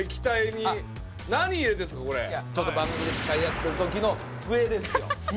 ちょっと番組で司会やってる時の笛ですよ笛？